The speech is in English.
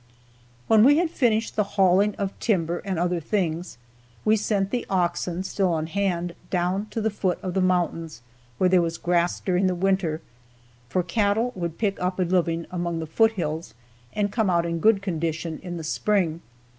When we had finished the hauling of timber and other things, we sent the oxen, still on hand, down to the foot of the mountains where there was grass during the winter; for cattle would pick up a living among the foot hills, and come out in good condition in the spring.